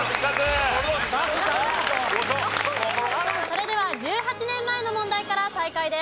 それでは１８年前の問題から再開です。